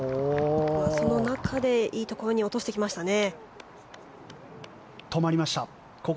その中でいいところに落としてきましたね。